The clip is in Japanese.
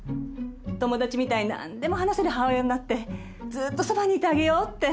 友達みたいになんでも話せる母親になってずっとそばにいてあげようって。